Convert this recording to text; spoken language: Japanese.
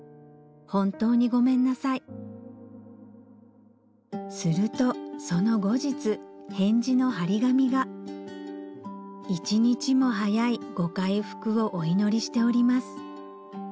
「本当にごめんなさい」するとその後日返事の張り紙が「一日も早いご回復をお祈りしております」